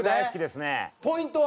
ポイントは？